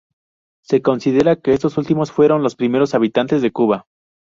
Se considera que estos últimos fueron los primeros habitantes de Cuba.